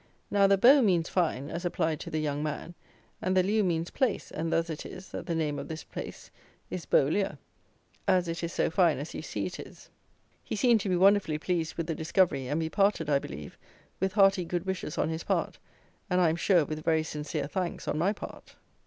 Now the beau means fine, as applied to the young man, and the lieu means place; and thus it is, that the name of this place is Beaulieu, as it is so fine as you see it is. He seemed to be wonderfully pleased with the discovery; and we parted, I believe, with hearty good wishes on his part, and, I am sure, with very sincere thanks on my part.